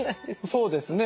そうですね。